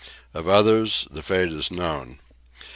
Of others the fate is known.